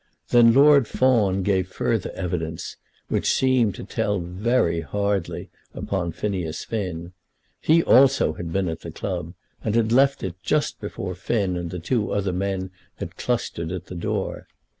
Then Lord Fawn gave further evidence, which seemed to tell very hardly upon Phineas Finn. He also had been at the club, and had left it just before Finn and the two other men had clustered at the door.